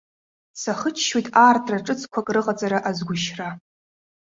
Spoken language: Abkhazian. Сахыччоит аартра ҿыцқәак рыҟаҵара азгәышьра.